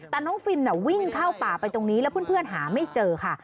แต่น้องฟิล์มวิ่งเข้าป่าไปตรงนี้แล้วเพื่อนหาไม่เจอค่ะ